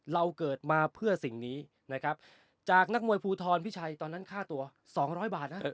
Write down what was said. เราเกิดมาเพื่อสิ่งนี้นะครับจากนักมวยภูทรพิชัยตอนนั้นค่าตัว๒๐๐บาทนะ